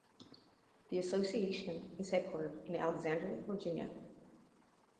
The association is headquartered in Alexandria, Virginia.